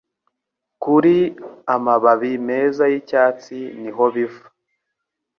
Kuri "Amababi meza yicyatsi niho biva